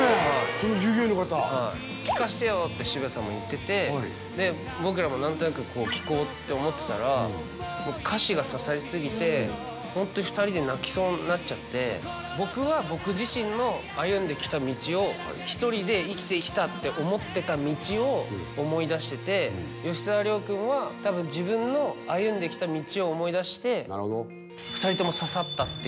その従業員の方って渋谷さんも言ってて僕らも何となく聴こうって思ってたら歌詞が刺さりすぎてホントに２人で泣きそうになっちゃって僕は僕自身の歩んできた道をひとりで生きてきたって思ってた道を思い出してて吉沢亮くんはたぶん自分の歩んできた道を思い出してえーっ